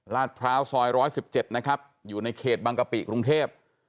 ลาดพร้าวซอยร้อยสิบเจ็ดนะครับอยู่ในเขตบางกะปิกรุงเทพฯ